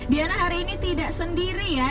diana hari ini tidak sendiri ya